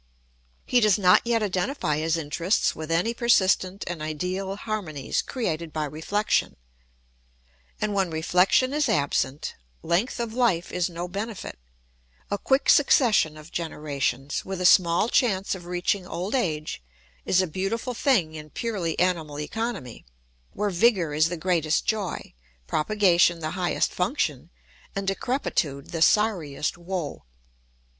He does not yet identify his interests with any persistent and ideal harmonies created by reflection. And when reflection is absent, length of life is no benefit: a quick succession of generations, with a small chance of reaching old age, is a beautiful thing in purely animal economy, where vigour is the greatest joy, propagation the highest function, and decrepitude the sorriest woe.